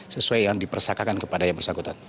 sesuai yang dipersakakan kepada yang bersangkutan